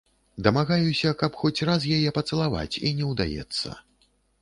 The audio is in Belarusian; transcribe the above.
Дамагаюся, каб хоць раз яе пацалаваць, і не ўдаецца.